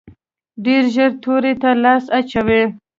ډېر ژر تورې ته لاس اچوو.